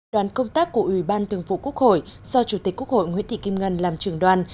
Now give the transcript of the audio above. đoàn công tác của ủy ban tường vụ quốc hội do chủ tịch quốc hội nguyễn thị kim ngân làm trường đoàn